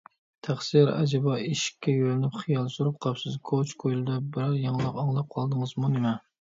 تەخسىر، ئەجەبا، ئىشىككە يۆلىنىپ خىيال سۈرۈپ قاپسىز، كوچا - كويلىدا بىرەر يېڭىلىق ئاڭلاپ قالدىڭىزمۇ نېمە؟